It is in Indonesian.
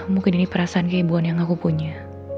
mungkin ini perasaan keibuan yang aku punya